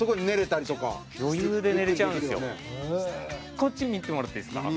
こっち見てもらっていいですか？